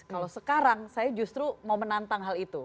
kalau sekarang saya justru mau menantang hal itu